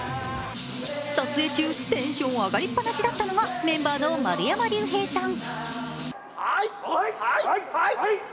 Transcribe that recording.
撮影中、テンション上がりっぱなしだったのがメンバーの丸山隆平さん。